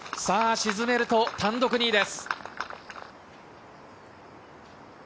沈めると、単独の２位です。